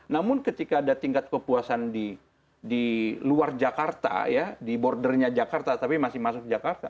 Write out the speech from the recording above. namun ketika ada tingkat kepuasan di luar jakarta ya di bordernya jakarta tapi masih masuk jakarta